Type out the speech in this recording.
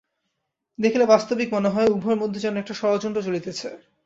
দেখিলে বাস্তবিক মনে হয়, উভয়ের মধ্যে যেন একটা ষড়যন্ত্র চলিতেছে।